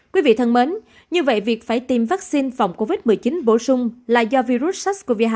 quý vị thân mến như vậy việc phải tiêm vaccine phòng covid một mươi chín bổ sung là do virus sars cov hai